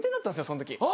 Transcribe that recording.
その時。